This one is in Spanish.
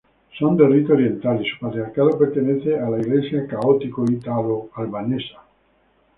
Son del rito oriental y su patriarcado pertenece a la Iglesia católica ítalo-albanesa.